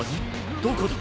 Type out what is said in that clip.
どこだ！？